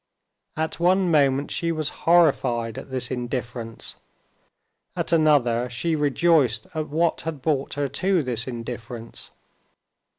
At one moment she was horrified at this indifference, at another she rejoiced at what had brought her to this indifference.